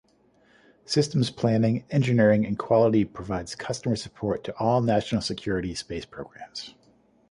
Systems Planning, Engineering and Quality provides customer support to all national-security space programs.